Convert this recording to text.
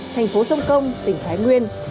thành phố sông công tỉnh thái nguyên